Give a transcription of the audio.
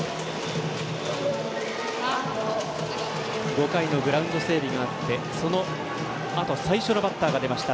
５回のグラウンド整備があってそのあと最初のバッターが出ました。